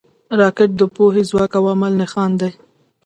راکټ د پوهې، ځواک او عمل نښان دی